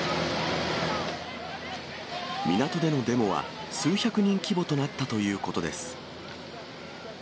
港でのデモは数百人規模になったということです。